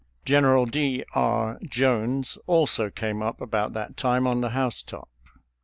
General D. R. Jones also came up about that time on the housetop.